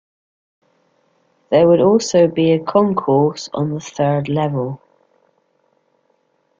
There would also be a concourse on the third level.